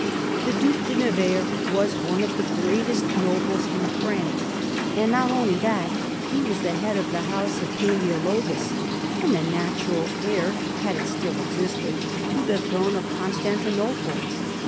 The Due de Nevers was one of the greatest nobles in France. And not only that : he was the head of the house of Paleologus, and the natural heir, had it still existed, to the throne of Constantinople.